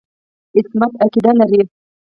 عصمت عقیده لري.